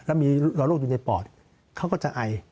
แล้วมีโรคอยู่ในปอดเขาก็จะไอ